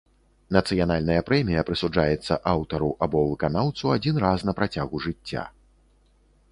Нацыянальная прэмія прысуджаецца аўтару або выканаўцу адзін раз на працягу жыцця.